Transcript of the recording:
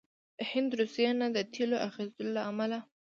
هند روسيې نه د تیلو د اخیستلو له امله